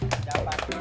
kejabat dulu dong